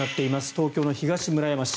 東京の東村山市。